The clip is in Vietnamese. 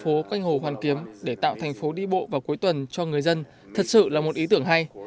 việc đóng các tuyến phố canh hồ hoàn kiếm để tạo thành phố đi bộ vào cuối tuần cho người dân thật sự là một ý tưởng hay